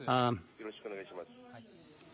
よろしくお願いします。